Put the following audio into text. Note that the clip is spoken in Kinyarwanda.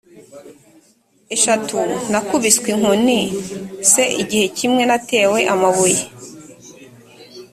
eshatu nakubiswe inkoni c igihe kimwe natewe amabuye